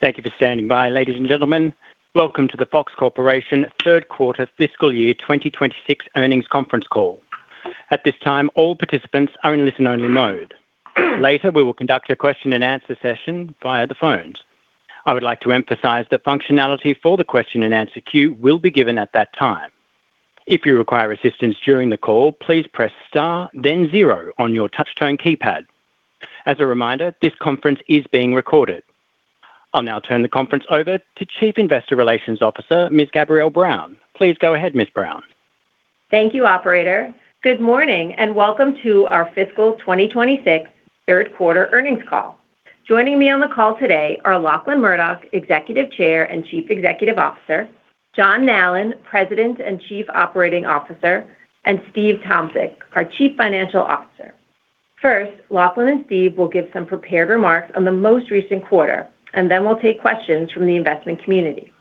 Thank you for standing by, ladies and gentlemen. Welcome to the Fox Corporation third quarter fiscal year 2026 earnings conference call. At this time, all participants are in listen-only mode. Later, we will conduct a question-and-answer session via the phone. I would like to emphasize that functionality for the question-and-answer queue will be given at that time. If you require assistance during the call, please press star then zero on your touch tone keypad. As a reminder, this conference is being recorded. I'll now turn the conference over to Chief Investor Relations Officer, Ms. Gabrielle Brown. Please go ahead, Ms. Brown. Thank you, operator. Good morning, and welcome to our fiscal 2026 third quarter earnings call. Joining me on the call today are Lachlan Murdoch, Executive Chair and Chief Executive Officer, John Nallen, President and Chief Operating Officer, and Steve Tomsic, our Chief Financial Officer. First, Lachlan and Steve will give some prepared remarks on the most recent quarter, and then we'll take questions from the investment community.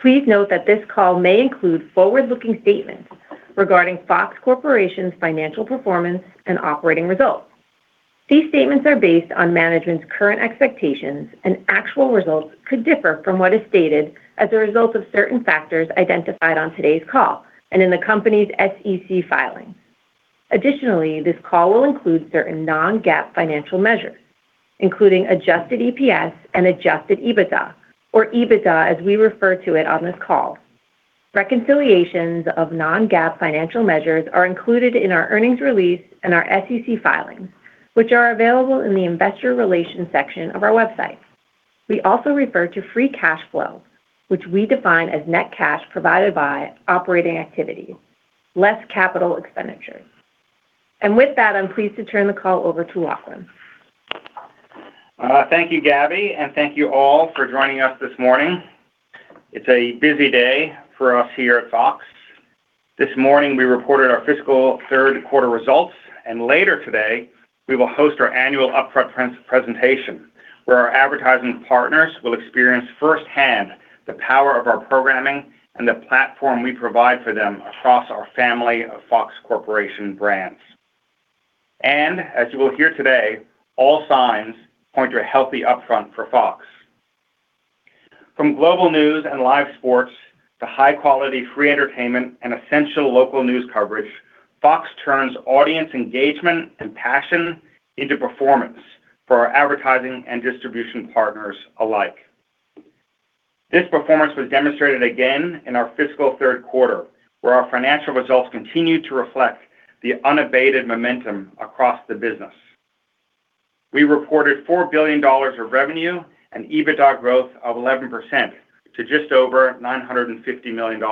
Please note that this call may include forward-looking statements regarding Fox Corporation's financial performance and operating results. These statements are based on management's current expectations, actual results could differ from what is stated as a result of certain factors identified on today's call and in the company's SEC filings. Additionally, this call will include certain non-GAAP financial measures, including adjusted EPS and adjusted EBITDA, or EBITDA as we refer to it on this call. Reconciliations of non-GAAP financial measures are included in our earnings release and our SEC filings, which are available in the Investor Relations section of our website. We also refer to free cash flow, which we define as net cash provided by operating activity, less capital expenditures. With that, I'm pleased to turn the call over to Lachlan. Thank you, Gabby, and thank you all for joining us this morning. It's a busy day for us here at Fox. This morning we reported our fiscal third quarter results. Later today, we will host our annual upfront presentation, where our advertising partners will experience firsthand the power of our programming and the platform we provide for them across our family of Fox Corporation brands. As you will hear today, all signs point to a healthy upfront for Fox. From global news and live sports to high-quality free entertainment and essential local news coverage, Fox turns audience engagement and passion into performance for our advertising and distribution partners alike. This performance was demonstrated again in our fiscal third quarter, where our financial results continued to reflect the unabated momentum across the business. We reported $4 billion of revenue and EBITDA growth of 11% to just over $950 million,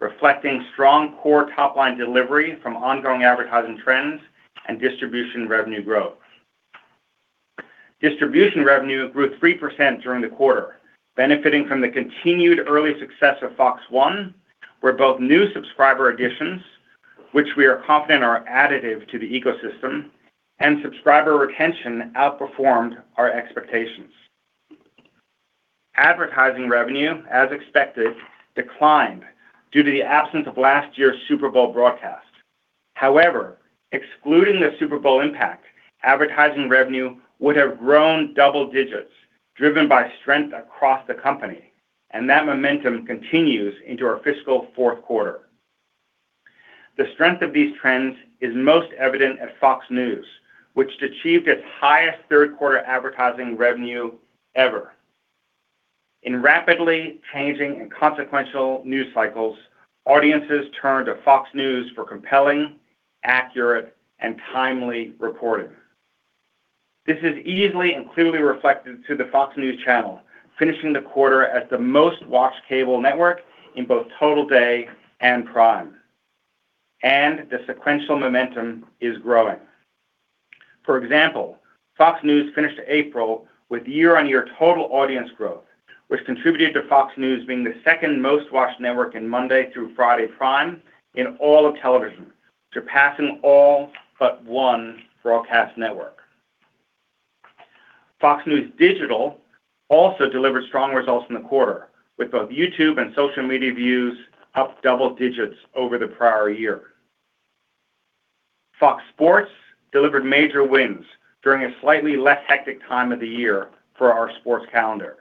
reflecting strong core top-line delivery from ongoing advertising trends and distribution revenue growth. Distribution revenue grew 3% during the quarter, benefiting from the continued early success of Fox One, where both new subscriber additions, which we are confident are additive to the ecosystem, and subscriber retention outperformed our expectations. Advertising revenue, as expected, declined due to the absence of last year's Super Bowl broadcast. Excluding the Super Bowl impact, advertising revenue would have grown double digits, driven by strength across the company, and that momentum continues into our fiscal fourth quarter. The strength of these trends is most evident at Fox News, which achieved its highest third quarter advertising revenue ever. In rapidly changing and consequential news cycles, audiences turn to Fox News for compelling, accurate, and timely reporting. This is easily and clearly reflected to the Fox News Channel, finishing the quarter as the most-watched cable network in both total day and prime, and the sequential momentum is growing. For example, Fox News finished April with year-on-year total audience growth, which contributed to Fox News being the second most-watched network in Monday through Friday prime in all of television, surpassing all but one broadcast network. Fox News Digital also delivered strong results in the quarter, with both YouTube and social media views up double digits over the prior year. Fox Sports delivered major wins during a slightly less hectic time of the year for our sports calendar.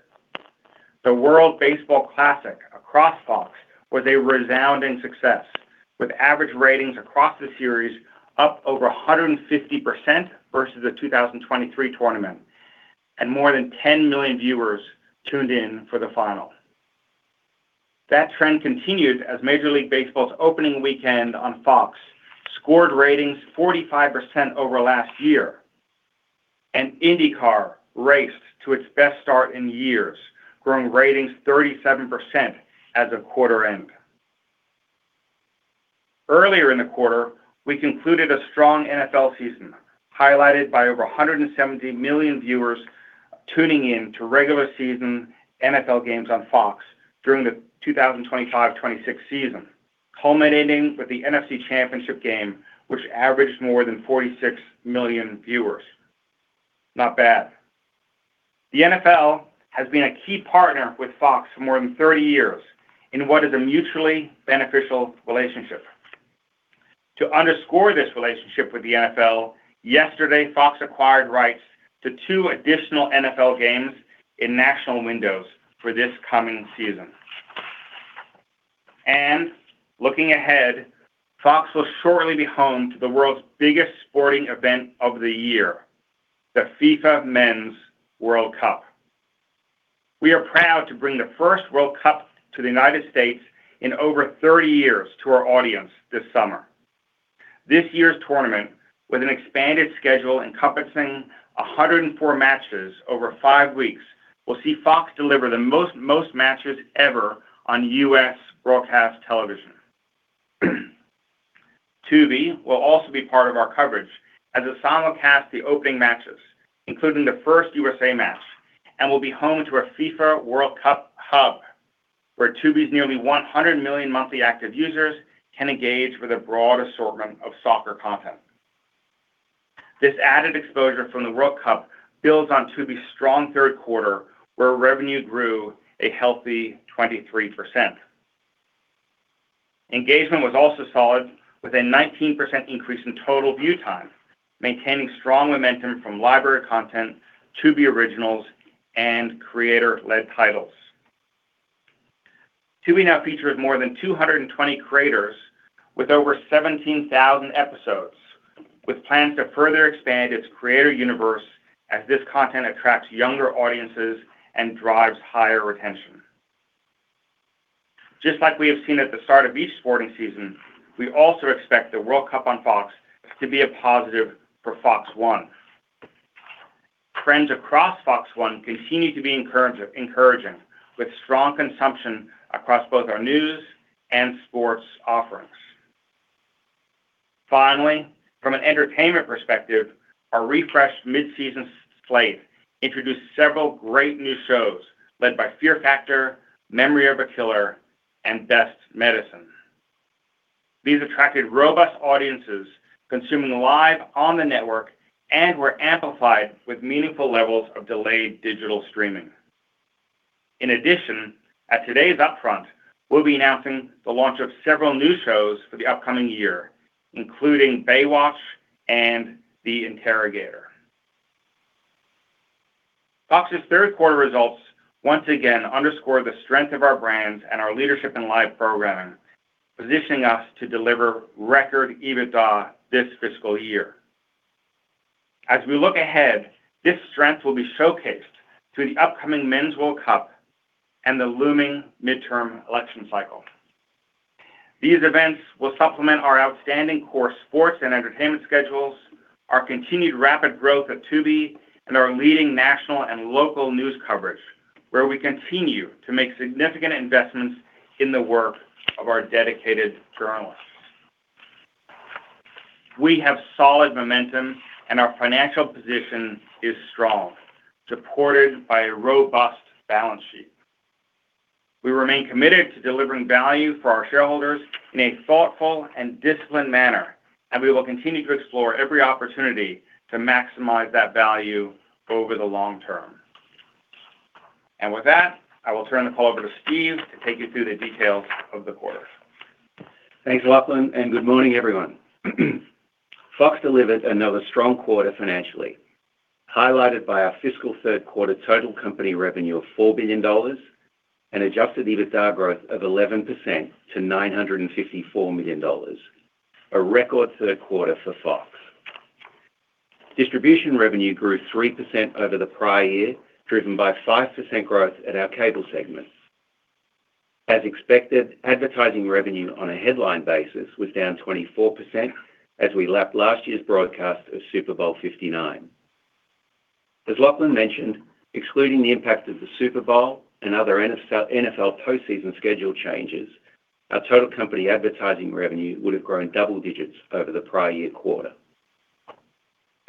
The World Baseball Classic across Fox was a resounding success, with average ratings across the series up over 150% versus the 2023 tournament, and more than 10 million viewers tuned in for the final. That trend continued as Major League Baseball's opening weekend on Fox scored ratings 45% over last year. IndyCar raced to its best start in years, growing ratings 37% as of quarter end. Earlier in the quarter, we concluded a strong NFL season, highlighted by over 170 million viewers tuning in to regular season NFL games on Fox during the 2025-2026 season, culminating with the NFC Championship game, which averaged more than 46 million viewers. Not bad. The NFL has been a key partner with Fox for more than 30 years in what is a mutually beneficial relationship. To underscore this relationship with the NFL, yesterday, Fox acquired rights to two additional NFL games in national windows for this coming season. Looking ahead, Fox will shortly be home to the world's biggest sporting event of the year, the FIFA Men's World Cup. We are proud to bring the first World Cup to the United States in over 30 years to our audience this summer. This year's tournament, with an expanded schedule encompassing 104 matches over five weeks, will see Fox deliver the most matches ever on U.S. broadcast television. Tubi will also be part of our coverage as a simulcast the opening matches, including the first USA match, and will be home to a FIFA World Cup hub, where Tubi's nearly 100 million monthly active users can engage with a broad assortment of soccer content. This added exposure from the World Cup builds on Tubi's strong third quarter, where revenue grew a healthy 23%. Engagement was also solid with a 19% increase in total view time, maintaining strong momentum from library content, Tubi Originals, and creator-led titles. Tubi now features more than 220 creators with over 17,000 episodes, with plans to further expand its creator universe as this content attracts younger audiences and drives higher retention. Just like we have seen at the start of each sporting season, we also expect the World Cup on Fox to be a positive for Fox One. Trends across Fox One continue to be encouraging, with strong consumption across both our news and sports offerings. Finally, from an entertainment perspective, our refreshed mid-season slate introduced several great new shows led by Fear Factor, Memory of a Killer, and Best Medicine. These attracted robust audiences consuming live on the network and were amplified with meaningful levels of delayed digital streaming. In addition, at today's upfront, we'll be announcing the launch of several new shows for the upcoming year, including Baywatch and The Interrogator. Fox's third quarter results once again underscore the strength of our brands and our leadership in live programming, positioning us to deliver record EBITDA this fiscal year. As we look ahead, this strength will be showcased through the upcoming Men's World Cup and the looming midterm election cycle. These events will supplement our outstanding core sports and entertainment schedules, our continued rapid growth at Tubi, and our leading national and local news coverage, where we continue to make significant investments in the work of our dedicated journalists. We have solid momentum and our financial position is strong, supported by a robust balance sheet. We remain committed to delivering value for our shareholders in a thoughtful and disciplined manner, and we will continue to explore every opportunity to maximize that value over the long term. With that, I will turn the call over to Steve to take you through the details of the quarter. Thanks, Lachlan, and good morning, everyone. Fox delivered another strong quarter financially, highlighted by our fiscal third quarter total company revenue of $4 billion and adjusted EBITDA growth of 11% to $954 million. A record third quarter for Fox. Distribution revenue grew 3% over the prior year, driven by 5% growth at our cable segments. As expected, advertising revenue on a headline basis was down 24% as we lapped last year's broadcast of Super Bowl LIX. As Lachlan mentioned, excluding the impact of the Super Bowl and other NFL postseason schedule changes, our total company advertising revenue would have grown double digits over the prior year quarter.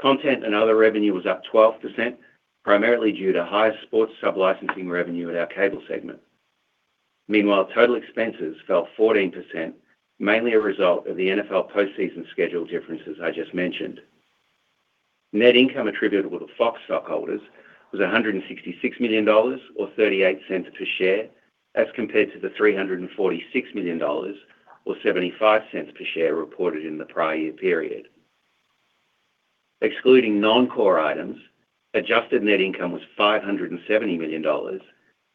Content and other revenue was up 12%, primarily due to higher sports sub-licensing revenue at our cable segment. Meanwhile, total expenses fell 14%, mainly a result of the NFL postseason schedule differences I just mentioned. Net income attributable to Fox stockholders was $166 million or $0.38 per share as compared to the $346 million or $0.75 per share reported in the prior year period. Excluding non-core items, adjusted net income was $570 million,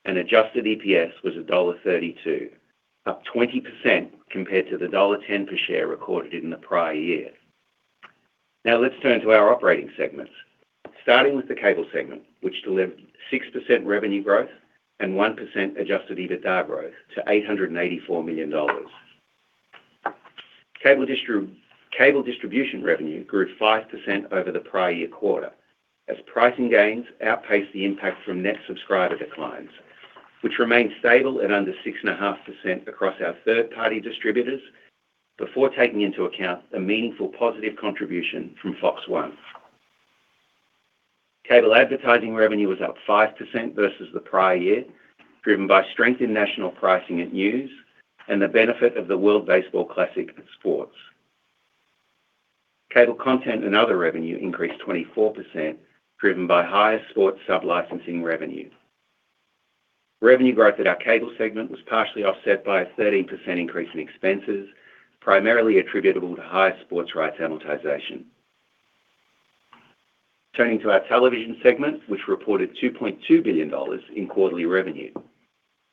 and adjusted EPS was $1.32, up 20% compared to the $1.10 per share recorded in the prior year. Let's turn to our operating segments. Starting with the cable segment, which delivered 6% revenue growth and 1% adjusted EBITDA growth to $884 million. Cable distribution revenue grew 5% over the prior year quarter as pricing gains outpaced the impact from net subscriber declines, which remained stable at under 6.5% across our third-party distributors before taking into account a meaningful positive contribution from Fox One. Cable advertising revenue was up 5% versus the prior year, driven by strength in national pricing at Fox News and the benefit of the World Baseball Classic at Fox Sports. Cable content and other revenue increased 24%, driven by higher Fox Sports sub-licensing revenue. Revenue growth at our cable segment was partially offset by a 13% increase in expenses, primarily attributable to higher Fox Sports rights amortization. Turning to our television segment, which reported $2.2 billion in quarterly revenue.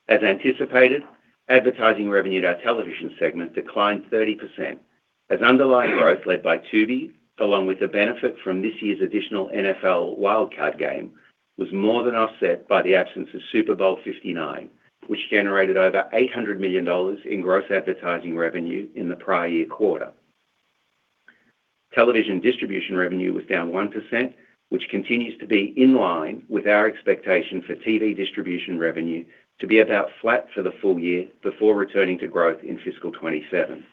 As anticipated, advertising revenue at our television segment declined 30% as underlying growth led by Tubi, along with the benefit from this year's additional NFL Wild Card Game, was more than offset by the absence of Super Bowl LIX, which generated over $800 million in gross advertising revenue in the prior year quarter. Television distribution revenue was down 1%, which continues to be in line with our expectation for TV distribution revenue to be about flat for the full year before returning to growth in fiscal 2027.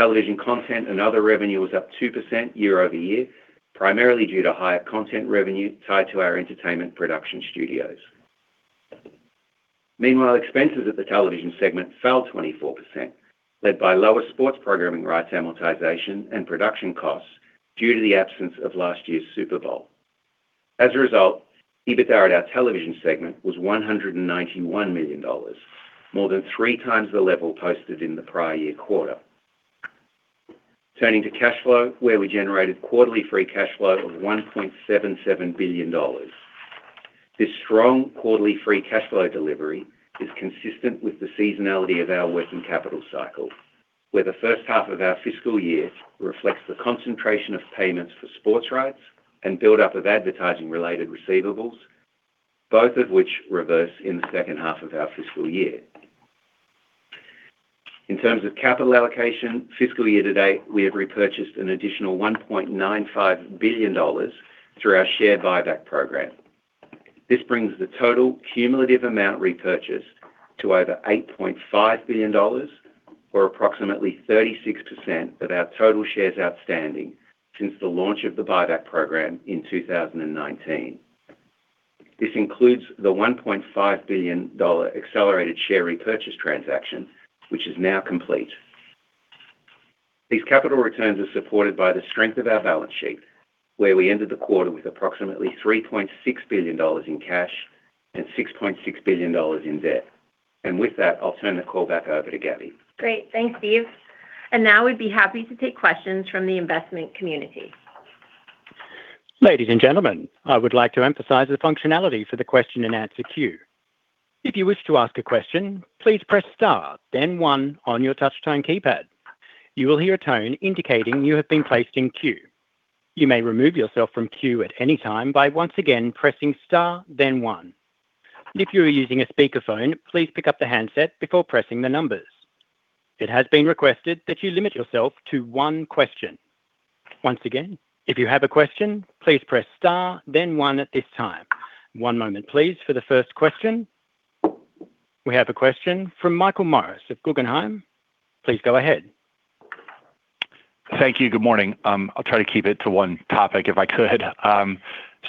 Television content and other revenue was up 2% year-over-year, primarily due to higher content revenue tied to our entertainment production studios. Meanwhile, expenses at the television segment fell 24%, led by lower sports programming rights amortization and production costs due to the absence of last year's Super Bowl. As a result, EBITDA at our television segment was $191 million, more than three times the level posted in the prior year quarter. Turning to cash flow, where we generated quarterly free cash flow of $1.77 billion. This strong quarterly free cash flow delivery is consistent with the seasonality of our working capital cycle, where the first half of our fiscal year reflects the concentration of payments for sports rights and buildup of advertising-related receivables, both of which reverse in the second half of our fiscal year. In terms of capital allocation, fiscal year to date, we have repurchased an additional $1.95 billion through our share buyback program. This brings the total cumulative amount repurchased to over $8.5 billion or approximately 36% of our total shares outstanding since the launch of the buyback program in 2019. This includes the $1.5 billion accelerated share repurchase transaction, which is now complete. These capital returns are supported by the strength of our balance sheet, where we ended the quarter with approximately $3.6 billion in cash and $6.6 billion in debt. With that, I'll turn the call back over to Gabby. Great. Thanks, Steve. Now we'd be happy to take questions from the investment community. Ladies and gentlemen, I would like to emphasize the functionality for the question-and-answer queue. If you wish to ask a question, please press star then one on your touch tone keypad. You will hear a tone indicating you have been placed in queue. You may remove yourself from queue at any time by once again pressing star then one. If you are using a speakerphone, please pick up the handset before pressing the numbers. It has been requested that you limit yourself to one question. Once again, if you have a question, please press star then one at this time. One moment please for the first question. We have a question from Michael Morris of Guggenheim. Please go ahead. Thank you. Good morning. I'll try to keep it to one topic if I could.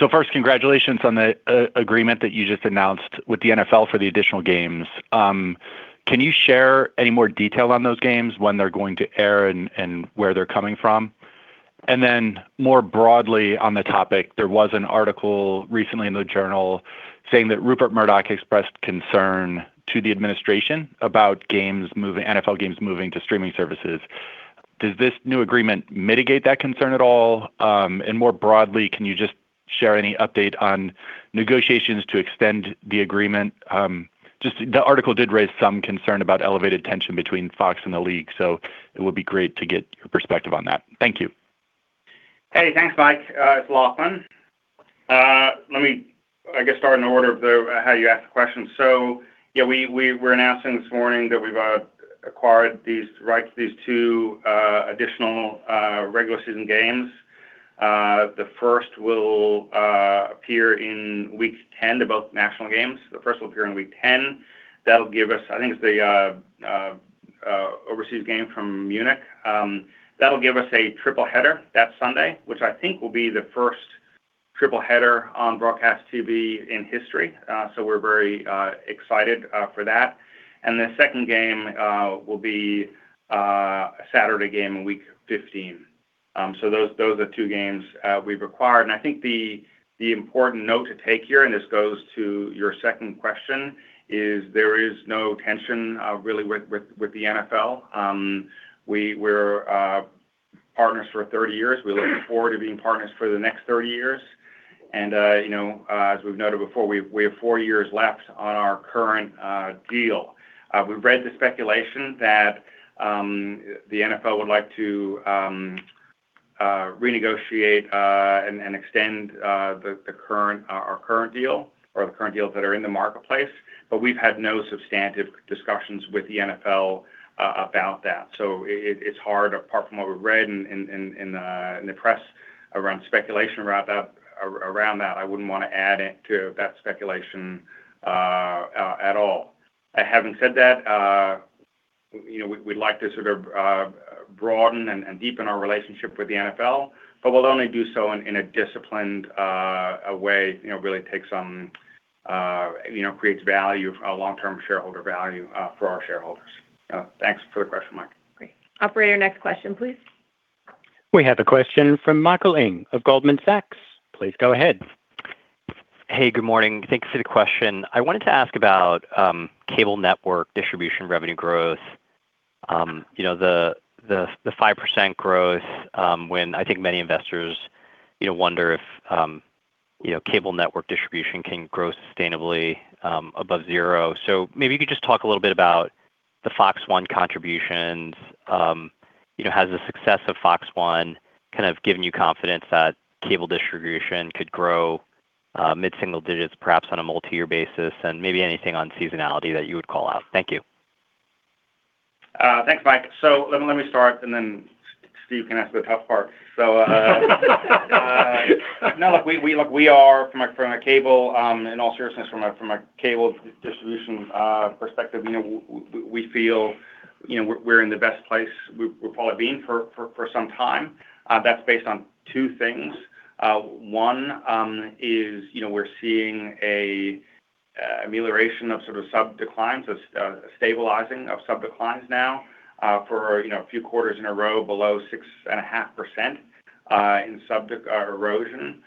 First, congratulations on the agreement that you just announced with the NFL for the additional games. Can you share any more detail on those games, when they're going to air and where they're coming from? Then more broadly on the topic, there was an article recently in the Journal saying that Rupert Murdoch expressed concern to the administration about NFL games moving to streaming services. Does this new agreement mitigate that concern at all? More broadly, can you just share any update on negotiations to extend the agreement? Just the article did raise some concern about elevated tension between Fox and the league, it would be great to get your perspective on that. Thank you. Hey, thanks, Mike. It's Lachlan. Let me, I guess, start in order of the how you asked the question. We're announcing this morning that we've acquired these rights, these two additional regular season games. The first will appear in week 10. They're both national games. The first will appear in week 10. That'll give us, I think it's the overseas game from Munich. That'll give us a triple header that Sunday, which I think will be the first triple header on broadcast TV in history. We're very excited for that. The second game will be a Saturday game in week 15. Those are the two games we've acquired. I think the important note to take here, and this goes to your second question, is there is no tension really with the NFL. We're partners for 30 years. We're looking forward to being partners for the next 30 years. You know, as we've noted before, we have four years left on our current deal. We've read the speculation that the NFL would like to renegotiate and extend the current our current deal or the current deals that are in the marketplace, but we've had no substantive discussions with the NFL about that. It's hard apart from what we've read in the press around speculation around that, around that. I wouldn't wanna add it to that speculation at all. Having said that, you know, we'd like to sort of broaden and deepen our relationship with the NFL, but we'll only do so in a disciplined way, you know, really takes some, you know, creates value for a long-term shareholder value for our shareholders. Thanks for the question, Mike. Great. Operator, next question, please. We have a question from Michael Ng of Goldman Sachs. Please go ahead. Hey, good morning. Thanks for the question. I wanted to ask about cable network distribution revenue growth. You know, the 5% growth, when I think many investors, you know, wonder if, you know, cable network distribution can grow sustainably above zero. Maybe you could just talk a little bit about the Fox One contributions. You know, has the success of Fox One kind of given you confidence that cable distribution could grow mid-single digits perhaps on a multi-year basis? Maybe anything on seasonality that you would call out. Thank you. Thanks, Mike. Let me start, and then Steve can answer the tough part. No, look, we look, we are from a cable, in all seriousness, from a cable distribution perspective, you know, we feel, you know, we're in the best place we've probably been for some time. That's based on two things. One is, you know, we're seeing a amelioration of sort of sub declines, a stabilizing of sub declines now, for, you know, a few quarters in a row below 6.5% in sub erosion.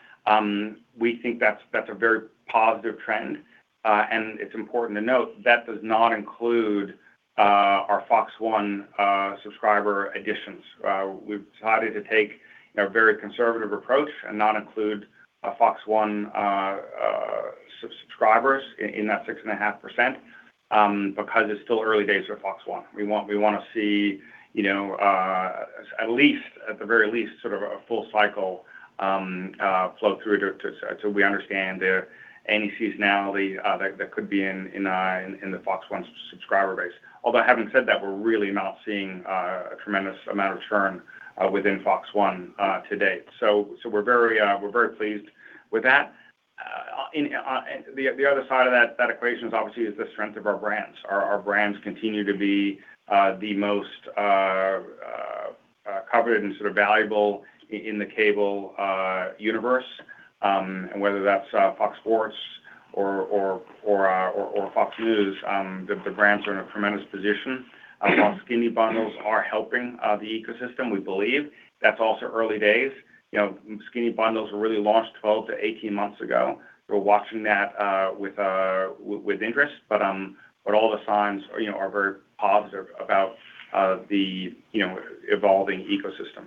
We think that's a very positive trend. And it's important to note that does not include our Fox One subscriber additions. We've decided to take a very conservative approach and not include Fox One subscribers in that 6.5%, because it's still early days for Fox One. We wanna see, you know, at least, at the very least, sort of a full cycle flow through to so we understand the any seasonality that could be in the Fox One subscriber base. Having said that, we're really not seeing a tremendous amount of churn within Fox One to date. We're very pleased with that. The other side of that equation is obviously the strength of our brands. Our brands continue to be the most covered and sort of valuable in the cable universe. Whether that's Fox Sports or Fox News, the brands are in a tremendous position. While skinny bundles are helping the ecosystem, we believe that's also early days. You know, skinny bundles were really launched 12 to 18 months ago. We're watching that with interest, all the signs are, you know, very positive about the, you know, evolving ecosystem.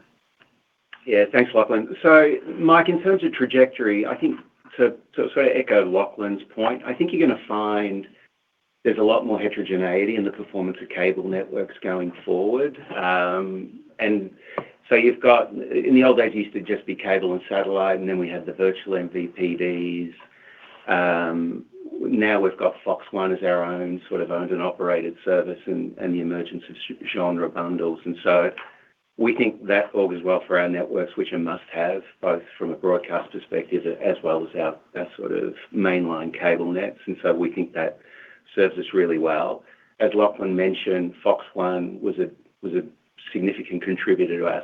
Thanks, Lachlan. Michael, in terms of trajectory, I think to sort of echo Lachlan's point, I think you're going to find there's a lot more heterogeneity in the performance of cable networks going forward. You've got In the old days, it used to just be cable and satellite, and then we had the virtual MVPDs. Now we've got Fox One as our own sort of owned and operated service and the emergence of genre bundles. We think that bodes well for our networks, which are must-haves, both from a broadcast perspective as well as our sort of mainline cable nets. We think that serves us really well. As Lachlan mentioned, Fox One was a significant contributor to our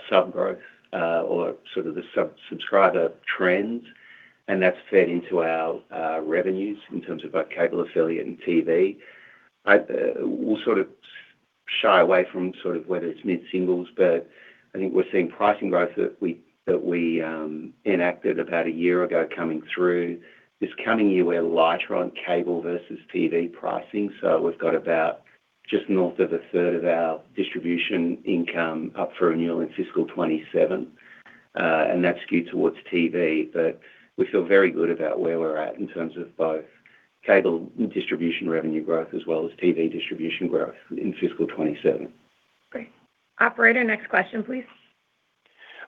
subscriber trends, and that's fed into our revenues in terms of our cable affiliate and TV. I, we'll shy away from whether it's mid-singles, but I think we're seeing pricing growth that we enacted about a year ago coming through. This coming year, we're lighter on cable versus TV pricing. We've got about just north of a third of our distribution income up for renewal in fiscal 2027, and that's skewed towards TV. We feel very good about where we're at in terms of both cable distribution revenue growth as well as TV distribution growth in fiscal 2027. Great. Operator, next question, please.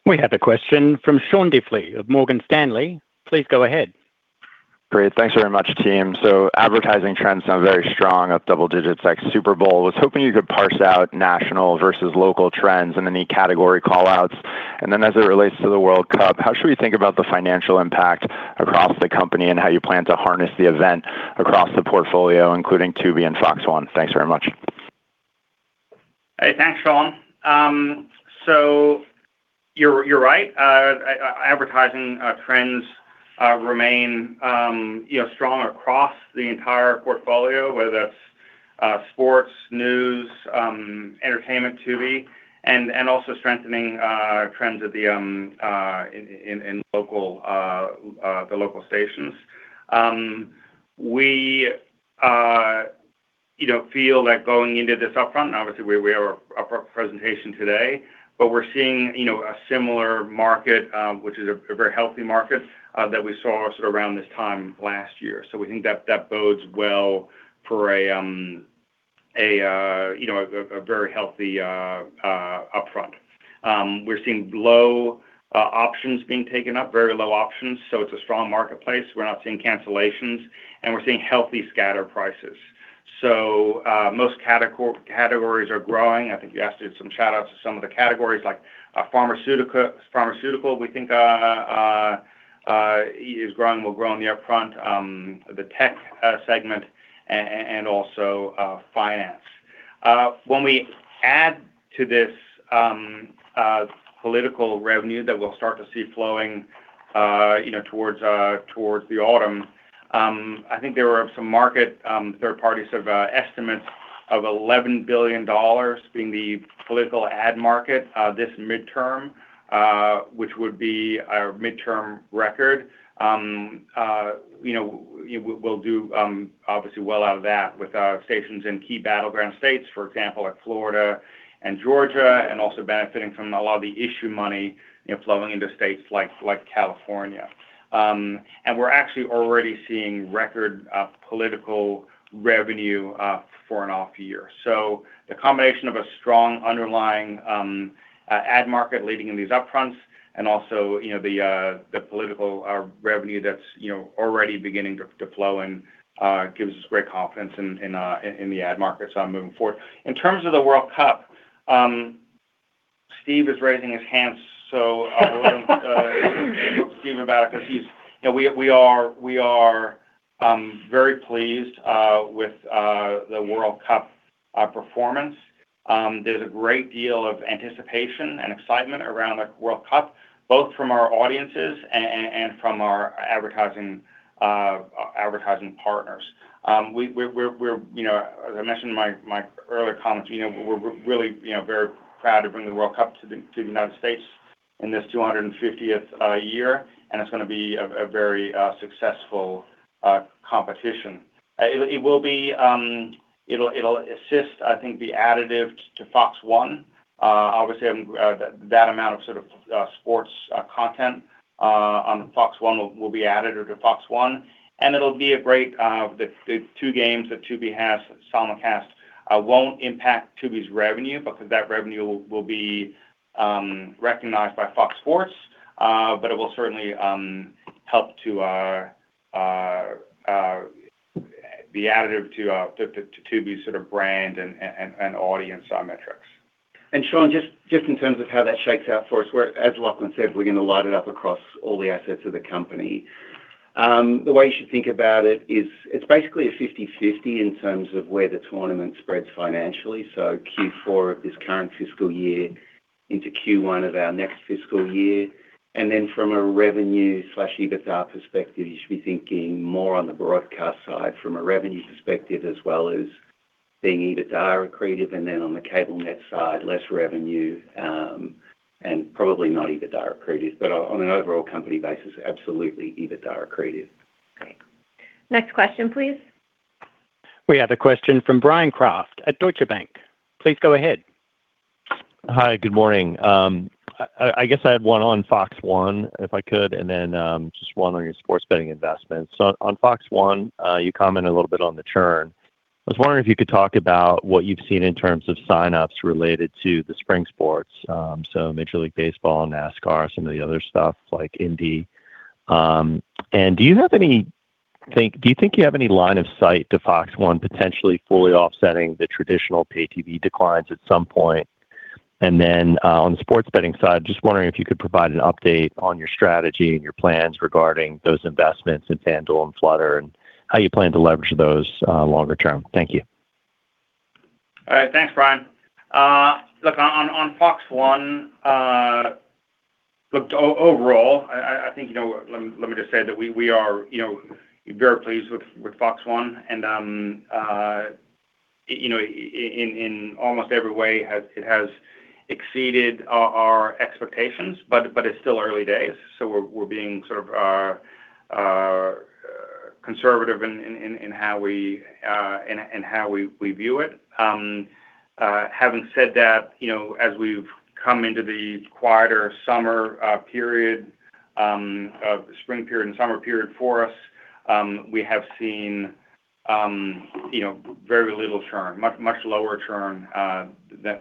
We have a question from Sean Diffley of Morgan Stanley. Please go ahead. Great. Thanks very much, team. Advertising trends sound very strong, up double-digits like Super Bowl. I was hoping you could parse out national versus local trends and any category call-outs. As it relates to the World Cup, how should we think about the financial impact across the company and how you plan to harness the event across the portfolio, including Tubi and Fox One? Thanks very much. Hey, thanks, Sean. You're right. Advertising trends remain, you know, strong across the entire portfolio, whether that's sports, news, entertainment, Tubi, and also strengthening trends at the local stations. We, you know, feel that going into this upfront, and obviously we are our presentation today, but we're seeing, you know, a similar market, which is a very healthy market that we saw sort of around this time last year. We think that bodes well for a, you know, a very healthy upfront. We're seeing low options being taken up, very low options, so it's a strong marketplace. We're not seeing cancellations, and we're seeing healthy scatter prices. Most categories are growing. I think you asked to do some shout-outs to some of the categories like pharmaceutical, we think is growing, will grow in the upfront, the tech segment and also finance. When we add to this political revenue that we'll start to see flowing, you know, towards the autumn. I think there were some market third parties have estimates of $11 billion being the political ad market this midterm, which would be our midterm record. You know, we will do obviously well out of that with our stations in key battleground states, for example, like Florida and Georgia, and also benefiting from a lot of the issue money, you know, flowing into states like California. We're actually already seeing record political revenue for an off year. The combination of a strong underlying ad market leading in these upfronts and also, you know, the political revenue that's, you know, already beginning to flow in gives us great confidence in the ad markets on moving forward. In terms of the World Cup, Steve is raising his hand, we'll let him speak about it because he's, you know, we are very pleased with the World Cup performance. There's a great deal of anticipation and excitement around the World Cup, both from our audiences and from our advertising partners. We're, you know, as I mentioned in my earlier comments, you know, we're really, you know, very proud to bring the World Cup to the United States in this 250th year, and it's gonna be a very successful competition. It will be, it'll assist, I think be additive to Fox One. Obviously having that amount of sort of sports content on Fox One will be added or to Fox One, and it'll be a great, the two games that Tubi has simulcast won't impact Tubi's revenue because that revenue will be recognized by Fox Sports. But it will certainly help to be additive to Tubi's sort of brand and audience, our metrics. Sean, just in terms of how that shakes out for us, we're, as Lachlan said, we're gonna light it up across all the assets of the company. The way you should think about it is it's basically a 50/50 in terms of where the tournament spreads financially, so Q4 of this current fiscal year into Q1 of our next fiscal year. Then from a revenue/EBITDA perspective, you should be thinking more on the broadcast side from a revenue perspective, as well as being EBITDA accretive. Then on the cable net side, less revenue, and probably not EBITDA accretive. On an overall company basis, absolutely EBITDA accretive. Great. Next question, please. We have a question from Bryan Kraft at Deutsche Bank. Please go ahead. Hi, good morning. I guess I have one on Fox One, if I could, and then just one on your sports betting investments. On Fox One, you commented a little bit on the churn. I was wondering if you could talk about what you've seen in terms of signups related to the spring sports, Major League Baseball, NASCAR, some of the other stuff like Indy. Do you think you have any line of sight to Fox One potentially fully offsetting the traditional pay TV declines at some point? On the sports betting side, just wondering if you could provide an update on your strategy and your plans regarding those investments in FanDuel and Flutter and how you plan to leverage those longer term. Thank you. All right. Thanks, Bryan. On Fox One, I think, you know what, let me just say that we are, you know, very pleased with Fox One and, you know, in almost every way it has exceeded our expectations, but it's still early days, so we're being sort of conservative in how we view it. Having said that, you know, as we've come into the quieter summer period, spring period and summer period for us, we have seen, you know, very little churn, much lower churn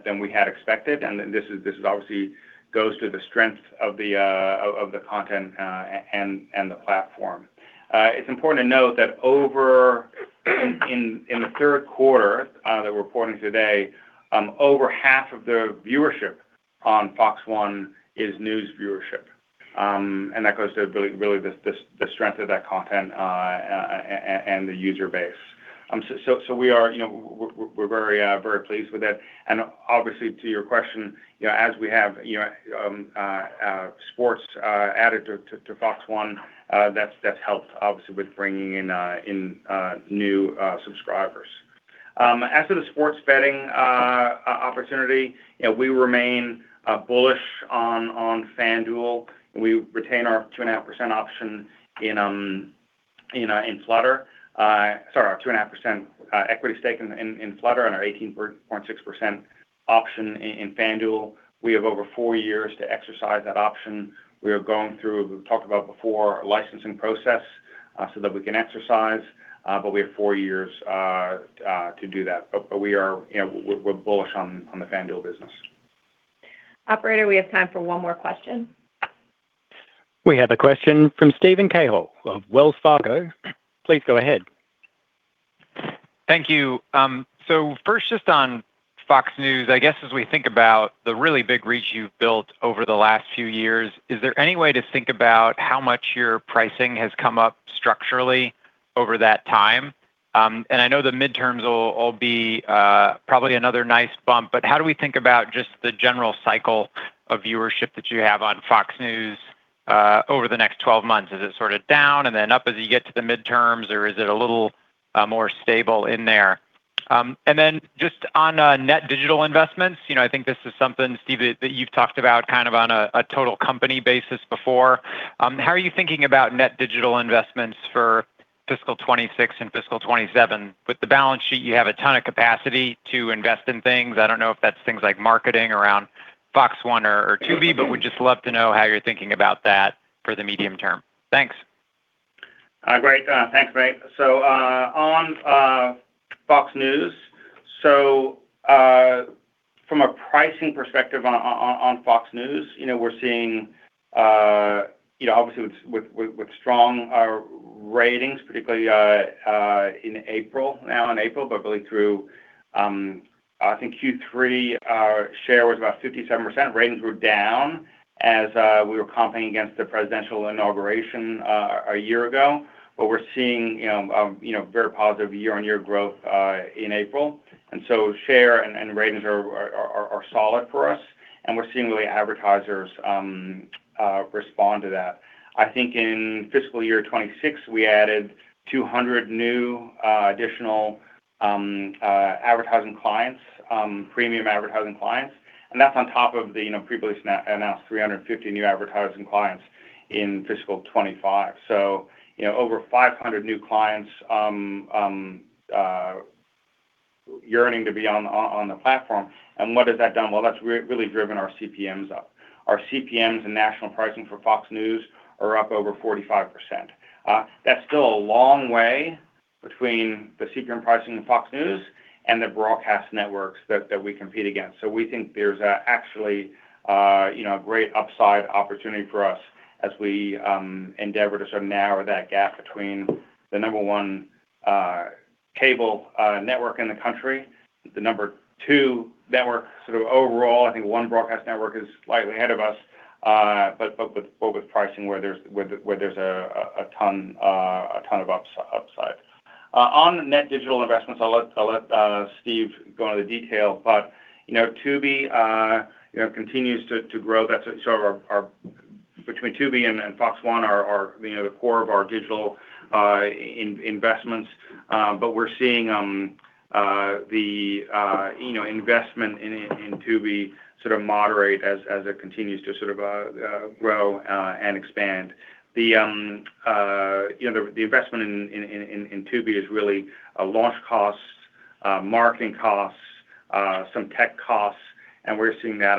than we had expected. This is obviously goes to the strength of the content and the platform. It's important to note that over the third quarter that we're reporting today, over half of the viewership on Fox One is news viewership. That goes to the strength of that content and the user base. We are, you know, very pleased with it. Obviously, to your question, you know, as we have, you know, sports added to Fox One, that's helped obviously with bringing in new subscribers. As to the sports betting opportunity, you know, we remain bullish on FanDuel, and we retain our 2.5% option in, you know, in Flutter. Sorry, our two and a half percent equity stake in Flutter and our 18.6% option in FanDuel. We have over four years to exercise that option. We are going through, we've talked about before, a licensing process, so that we can exercise, but we have four years to do that. We are, you know, we're bullish on the FanDuel business. Operator, we have time for one more question. We have a question from Steven Cahall of Wells Fargo. Please go ahead. Thank you. First just on Fox News, I guess as we think about the really big reach you've built over the last few years, is there any way to think about how much your pricing has come up structurally over that time? I know the midterms will be probably another nice bump, but how do we think about just the general cycle of viewership that you have on Fox News over the next 12 months? Is it sort of down and then up as you get to the midterms, or is it a little more stable in there? Just on net digital investments, you know, I think this is something, Steve, that you've talked about kind of on a total company basis before. How are you thinking about net digital investments for fiscal 2026 and fiscal 2027? With the balance sheet, you have a ton of capacity to invest in things. I don't know if that's things like marketing around Fox One or Tubi, but we'd just love to know how you're thinking about that for the medium term. Thanks. Great. Thanks, Steve. On Fox News, from a pricing perspective on Fox News, you know, we're seeing, you know, obviously with strong ratings, particularly in April, now in April, but really through I think Q3, our share was about 57%. Ratings were down as we were competing against the presidential inauguration a year ago. We're seeing, you know, very positive year-on-year growth in April. Share and ratings are solid for us, and we're seeing the way advertisers respond to that. I think in fiscal year 2026, we added 200 new additional advertising clients, premium advertising clients, that's on top of the, you know, previously announced 350 new advertising clients in fiscal 2025. You know, over 500 new clients yearning to be on the platform. What has that done? Well, that's really driven our CPMs up. Our CPMs and national pricing for Fox News are up over 45%. That's still a long way between the CPM pricing of Fox News and the broadcast networks that we compete against. We think there's actually, you know, a great upside opportunity for us as we endeavor to sort of narrow that gap between the number one cable network in the country, the number two network sort of overall. I think one broadcast network is slightly ahead of us. With pricing, where there's a ton of upside. On net digital investments, I'll let Steve go into the detail. You know, Tubi, you know, continues to grow. That's sort of our between Tubi and Fox One are, you know, the core of our digital investments. We're seeing the, you know, investment in Tubi sort of moderate as it continues to sort of grow and expand. The, you know, the investment in Tubi is really, launch costs, marketing costs, some tech costs, and we're seeing that,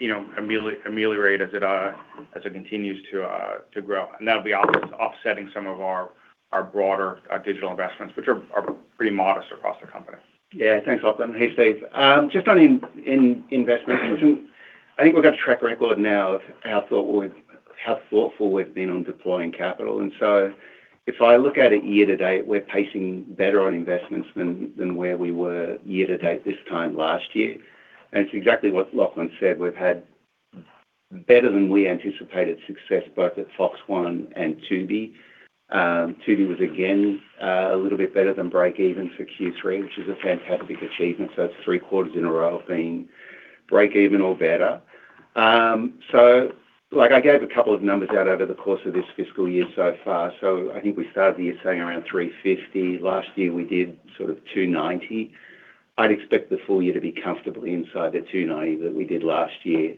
you know, ameliorate as it continues to grow. That'll be offsetting some of our broader digital investments, which are pretty modest across the company. Yeah. Thanks, Lachlan. Hey, Steve. Just in investments, which I think we've got a track record now of how thoughtful we've been on deploying capital. If I look at it year to date, we're pacing better on investments than where we were year to date this time last year. It's exactly what Lachlan said. We've had better than we anticipated success both at Fox One and Tubi. Tubi was again a little bit better than break even for Q3, which is a fantastic achievement. That's three quarters in a row of being break even or better. Like I gave a couple of numbers out over the course of this fiscal year so far. I think we started the year saying around $350. Last year, we did sort of $290. I'd expect the full year to be comfortably inside the 290 that we did last year.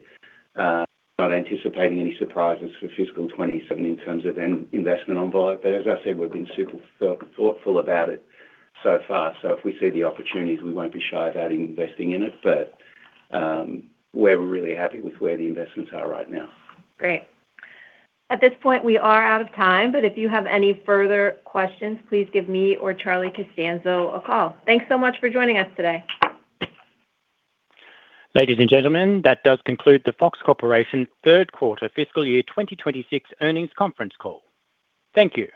Not anticipating any surprises for fiscal 2027 in terms of investment on Tubi. As I said, we've been super thoughtful about it so far. If we see the opportunities, we won't be shy about investing in it. We're really happy with where the investments are right now. Great. At this point, we are out of time. If you have any further questions, please give me or Charlie Costanzo a call. Thanks so much for joining us today. Ladies and gentlemen, that does conclude the Fox Corporation third quarter fiscal year 2026 earnings conference call. Thank you.